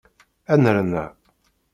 Ad nerna.